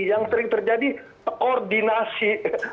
yang sering terjadi koordinasi